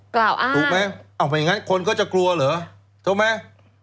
กล่าวอ้างถูกไหมเอาไม่อย่างนั้นคนก็จะกลัวเหรอถูกไหม